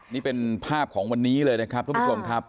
นี่เป็นภาพของวันนี้เลยนะครับทุกผู้ชมครับ